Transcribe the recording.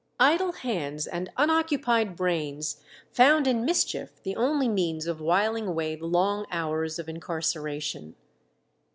Idle hands and unoccupied brains found in mischief the only means of whiling away the long hours of incarceration.